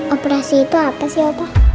operasi itu apa sih apa